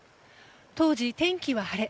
当時、天気は晴れ。